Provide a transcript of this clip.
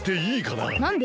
なんで？